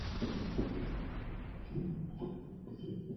李庆烨于首尔附近的城南市出生时是一个男孩。